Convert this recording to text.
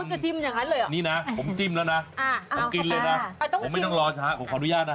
จะจิ้มอย่างนั้นเลยเหรอนี่นะผมจิ้มแล้วนะผมกินเลยนะผมไม่ต้องรอช้าผมขออนุญาตนะ